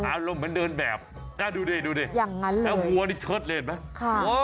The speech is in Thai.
อารมณ์เหมือนเดินแบบดูดิแล้ววัวนี่เชิดเลยไหม